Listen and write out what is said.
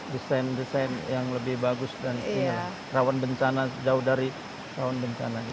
desain desain yang lebih bagus dan rawan bencana jauh dari rawan bencana